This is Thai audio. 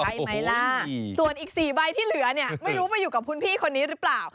ได้ไหมล่ะส่วนอีก๔ใบที่เหลือเนี่ยไม่รู้มาอยู่กับคุณพี่คนนี้หรือเปล่า